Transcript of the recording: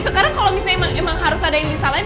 sekarang emang harus ada yang bisa salahin